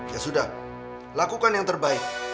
ya sudah lakukan yang terbaik